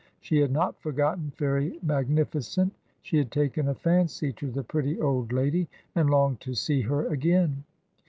She had not forgotten Fairy Magnificent. She had taken a fancy to the pretty old lady, and longed to see her again.